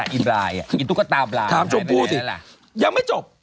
ไอ้ตุ๊กตาบลายอันไหนแหละละถามชมพูดยังไม่จบ